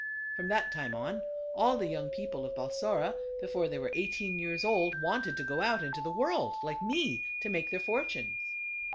From that time on, all the young people of Balsora, before they were eighteen years old, wanted to go out in the world, like me, to make their fortunes.